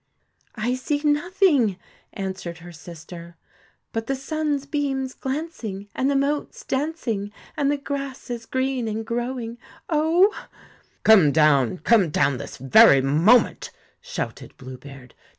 '' I see nothing,' answered her sister, ' but the sun's beams glancing, and the motes dancing, and the grass is green and growing, oh 1 ' 'Come down, come down this very moment,' shouted Blue beard.